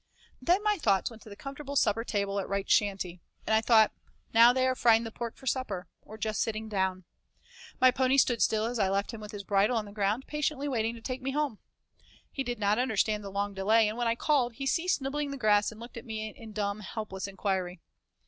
Then my thoughts went to the comfortable supper table at Wright's shanty, and I thought, now they are frying the pork for supper, or just sitting down. My pony still stood as I left him with his bridle on the ground patiently waiting to take me home. He did not understand the long delay, and when I called, he ceased nibbling the grass and looked at me in dumb, helpless inquiry.